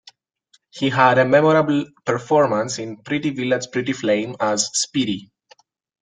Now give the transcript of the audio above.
He had a memorable performance in "Pretty Village, Pretty Flame" as Speedy.